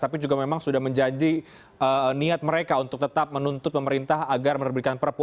tapi juga memang sudah menjadi niat mereka untuk tetap menuntut pemerintah agar menerbitkan perpu